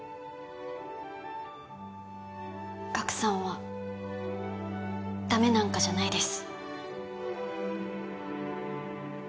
ガクさんはダメなんかじゃないです